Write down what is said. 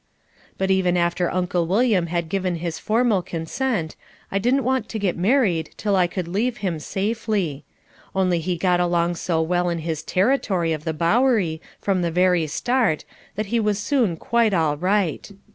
But even after Uncle William had given his formal consent, I didn't want to get married till I could leave him safely. Only he got along so well in his "territory" of the Bowery from the very start that he was soon quite all right.